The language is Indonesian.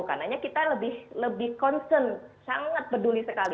karena kita lebih concern sangat peduli sekali